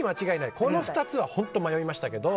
この２つは本当に迷いましたけど。